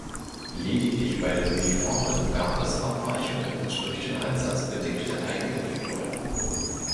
Lediglich bei den Uniformen gab es Abweichungen und durch den Einsatz bedingte Eigenentwicklungen.